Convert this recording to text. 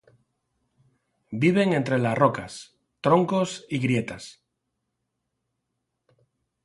Viven entre las rocas, troncos y grietas.